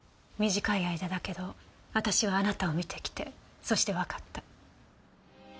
短い間だけど私はあなたを見てきてそしてわかった。